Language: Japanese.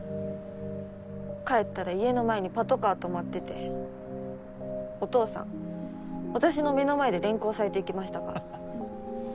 帰ったら家の前にパトカー停まっててお父さん私の目の前で連行されていきましたから。